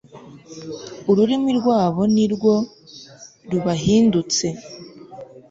ururimi rwabo ni rwo rubahindutse